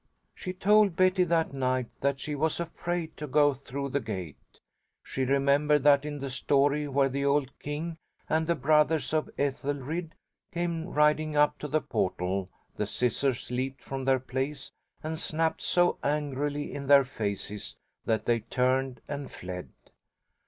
She told Betty that night that she was afraid to go through the gate. She remembered that in the story where the old king and the brothers of Ethelried came riding up to the portal 'the scissors leaped from their place and snapped so angrily in their faces that they turned and fled.